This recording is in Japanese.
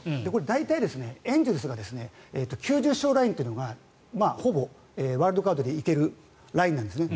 大体、エンゼルスが９０勝ラインというのがほぼワイルドカードで行けるラインなんですね。